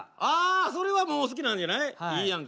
ああそれはもう好きなんじゃない？